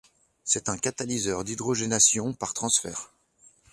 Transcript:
C'est un catalyseur d'hydrogénation par transfert.